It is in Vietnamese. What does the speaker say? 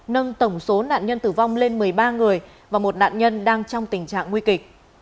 nâng tổng số nạn nhân tử vong lên một mươi ba người và một nạn nhân đang trong tình trạng nguy kịch